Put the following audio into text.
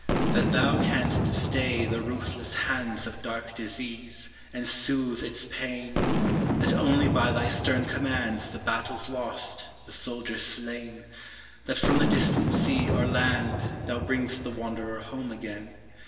That thou canst stay the ruthless hands Of dark disease, and soothe its pain; That only by thy stern commands The battle's lost, the soldier's slain; That from the distant sea or land Thou bring'st the wanderer home again.